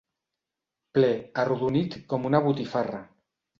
Ple, arrodonit com una botifarra.